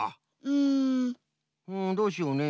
うんどうしようね。